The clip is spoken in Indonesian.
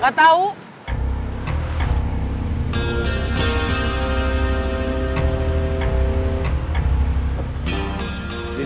belum datang telepon